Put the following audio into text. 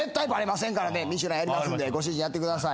『ミシュラン』やりますんでご主人やってください。